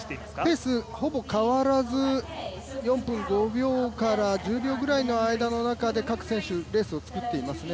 ペース、ほぼ変わらず４分５秒から１０秒の間で各選手レースを作っていますね。